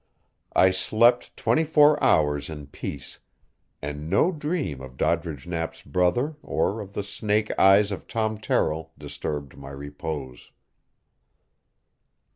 I slept twenty four hours in peace, and no dream of Doddridge Knapp's brother or of the snake eyes of Tom Terrill disturbed my repose.